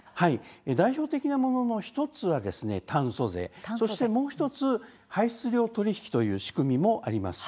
代表的なものの１つは炭素税もう１つ排出量取引という仕組みもあります。